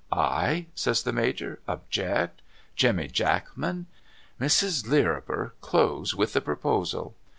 ' 'I?' says the Major. 'Object? Jemmy Jackman? Mrs. Lirriper close with the proposal.'